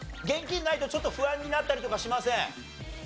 現金ないとちょっと不安になったりとかしません？